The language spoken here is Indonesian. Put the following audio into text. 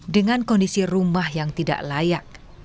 dengan kondisi rumah yang tidak layak